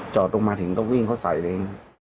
จอดลงมาถึงก็วิ่งเขาใส่เอง